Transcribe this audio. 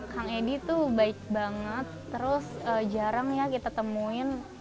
kang edi tuh baik banget terus jarang ya kita temuin